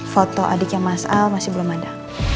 foto adiknya mas al masih belum ada